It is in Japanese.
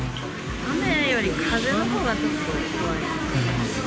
雨より風のほうが、ちょっと怖いですね。